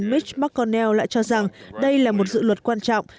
micch mcconnell lại cho rằng đây là một dự luật quan trọng